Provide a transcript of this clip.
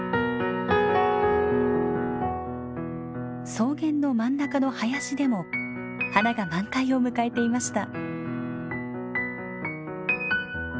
草原の真ん中の林でも花が満開を迎えていました。